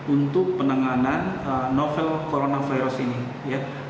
untuk penanganan novel coronavirus ini ya